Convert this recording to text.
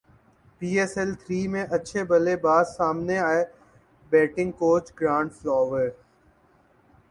پی S L three میں اچھے بلے باز سامنے ائے بیٹنگ کوچ گرانٹ فلاور